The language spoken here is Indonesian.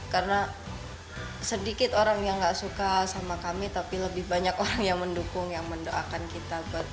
karena sedikit orang yang gak suka sama kami tapi lebih banyak orang yang mendukung yang mendoakan kita